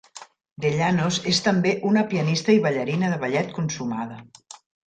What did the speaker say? Dellanos és també una pianista i ballarina de ballet consumada.